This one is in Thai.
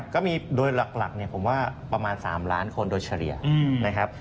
ก็มีโดยหลักเนี่ยผมว่าประมาณ๓ล้านคนโดยเฉลี่ยนะครับ